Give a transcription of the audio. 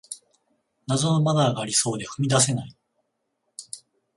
謎のマナーがありそうで踏み出せない